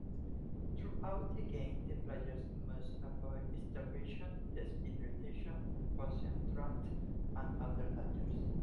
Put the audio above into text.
Throughout the game, the player must avoid starvation, dehydration, poison traps, and other dangers.